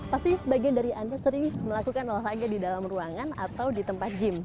pasti sebagian dari anda sering melakukan olahraga di dalam ruangan atau di tempat gym